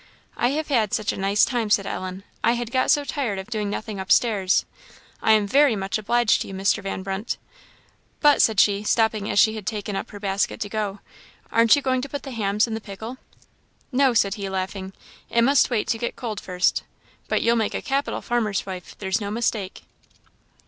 "I have had such a nice time," said Ellen; "I had got so tired of doing nothing up stairs. I am very much obliged to you, Mr. Van Brunt. But," said she, stopping as she had taken up her basket to go, "aren't you going to put the hams in the pickle?" "No," said he, laughing, "it must wait to get cold first. But you'll make a capital farmer's wife, there's no mistake."